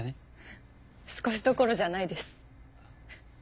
少しどころじゃないです。